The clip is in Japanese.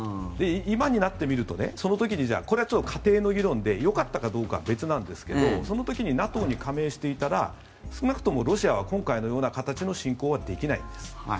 今になってみるとその時にこれは仮定の議論でよかったかどうかは別なんですがその時にＮＡＴＯに加盟していたら少なくともロシアは今回のような形の侵攻はできないんです。